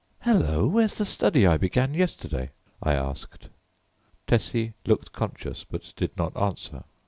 "Hello! Where's the study I began yesterday?" I asked. Tessie looked conscious, but did not answer.